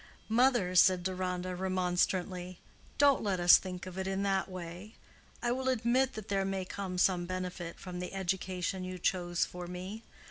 "Mother," said Deronda, remonstrantly, "don't let us think of it in that way. I will admit that there may come some benefit from the education you chose for me.